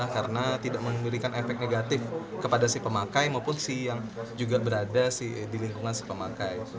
karena tidak mengirikan efek negatif kepada si pemakai maupun si yang juga berada di lingkungan si pemakai